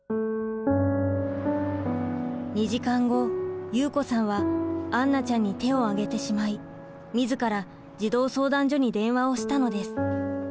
２時間後祐子さんは杏奈ちゃんに手を上げてしまい自ら児童相談所に電話をしたのです。